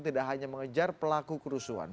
tidak hanya mengejar pelaku kerusuhan